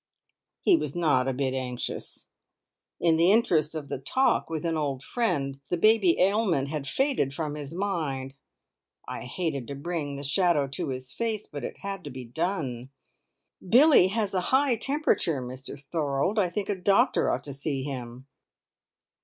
He was not a bit anxious. In the interest of the talk with an old friend, the baby ailment had faded from his mind. I hated to bring the shadow to his face, but it had to be done. "Billie has a high temperature, Mr Thorold. I think a doctor ought to see him."